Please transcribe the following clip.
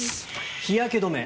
日焼け止め。